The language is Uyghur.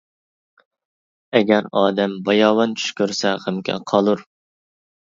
ئەگەر ئادەم باياۋان چۈش كۆرسە غەمگە قالۇر.